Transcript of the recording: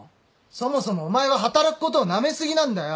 そもそもお前は働くことをなめ過ぎなんだよ！